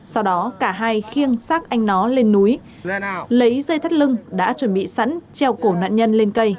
sau đó cả hai khiêng xác anh nó lên núi lấy dây thắt lưng đã chuẩn bị sẵn treo cổ nạn nhân lên cây